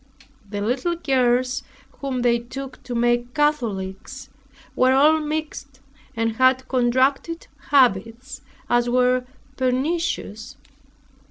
The little girls, whom they took to make Catholics, were all mixed and had contracted habits as were pernicious.